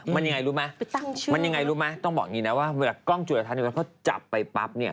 มันยังไงรู้ไหมมันตั้งชื่อมันยังไงรู้ไหมต้องบอกงี้นะว่าเวลากล้องจุลทานส์เขาจับไปปั๊บ